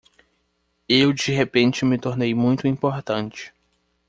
Eu de repente me tornei muito importante.